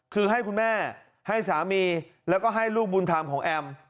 คือให้คุณแม่ให้สามีแล้วก็ให้ลูกบุญธรรมของแอม